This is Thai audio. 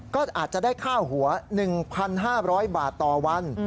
ก็อาจจะได้ค่าหัว๑๕๐๐บาทต่อวัน